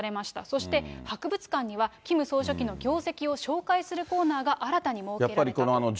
そして、博物館には、キム総書記の業績を紹介するコーナーが新たに設けられたと。